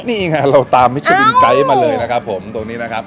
นี่ไงเราตามมิชวินไกด์มาเลยนะครับผมตรงนี้นะครับ